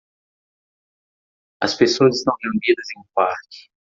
As pessoas estão reunidas em um parque.